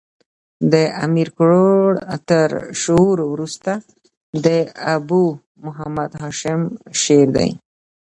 د امیر کروړ تر شعر وروسته د ابو محمد هاشم شعر دﺉ.